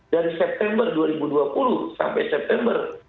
dari september dua ribu dua puluh sampai september dua ribu dua puluh satu